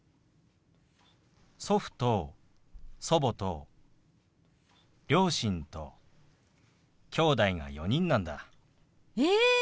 祖父と祖母と両親ときょうだいが４人なんだ。え！